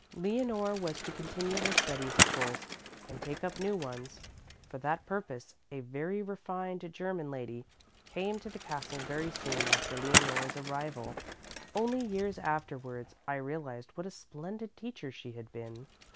Leonore was to continue her studies, of course, and take up new ones. For that purpose a very refined German lady came to the castle very soon after Leonore's arrival. Only years afterwards I realized what a splendid teacher she had been.